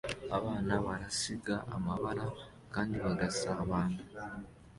Abana barasiga amabara kandi bagasabana